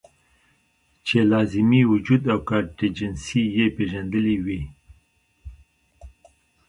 چې لازمي وجود او کانټينجنسي ئې پېژندلي وے -